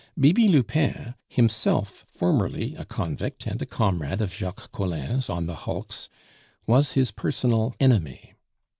Bibi Lupin, himself formerly a convict, and a comrade of Jacques Collin's on the hulks, was his personal enemy.